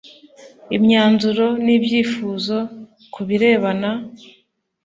Imyanzuro n ibyifuzo ku birebana